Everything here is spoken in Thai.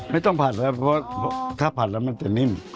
ไม่ต้องผัดครับเพราะถ้าผัดแล้วมันจะนิ่ม